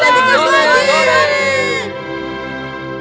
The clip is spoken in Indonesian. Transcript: tidak ada lagi tikus